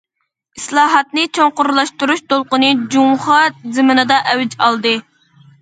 ئىسلاھاتنى چوڭقۇرلاشتۇرۇش دولقۇنى جۇڭخۇا زېمىنىدا ئەۋج ئالدى.